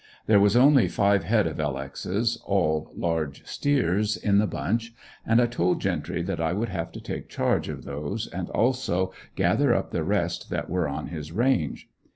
There was only five head of "L. X.'s," all large steers, in the bunch and I told Gentry that I would have to take charge of those and also gather up the rest that were on his range.